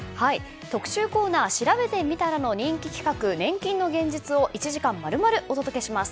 特集コーナーしらべてみたらの人気企画年金の現実を１時間まるまるお届けします。